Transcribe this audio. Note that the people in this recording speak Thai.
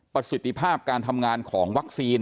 ประสิทธิภาพการทำงานของวัคซีน